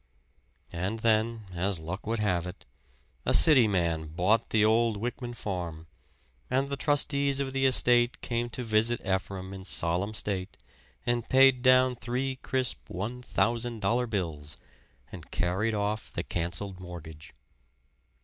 And then, as luck would have it, a city man bought the old Wyckman farm, and the trustees of the estate came to visit Ephraim in solemn state and paid down three crisp one thousand dollar bills and carried off the canceled mortgage.